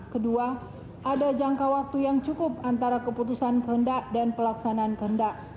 kedua ada jangka waktu yang cukup antara keputusan kehendak dan pelaksanaan kehendak